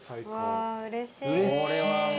うれしい。